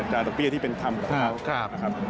ตาตะเบี้ยที่เป็นคำกับเขา